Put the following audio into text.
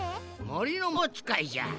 もりのまほうつかいじゃ。